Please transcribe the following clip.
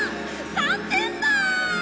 ３点だ！